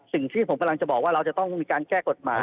สิ่งที่ผมกำลังจะบอกว่าเราจะต้องมีการแก้กฎหมาย